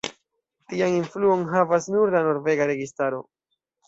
Tian influon havas nur la norvega registaro.